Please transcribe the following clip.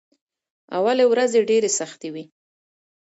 اولې ورځې ډېرې سختې وې.